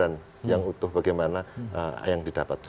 dan yang utuh bagaimana yang didapatkan